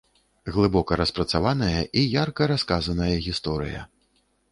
Глыбока распрацаваная і ярка расказаная гісторыя.